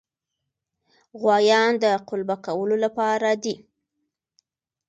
غوایان د قلبه کولو لپاره دي.